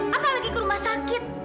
apalagi ke rumah sakit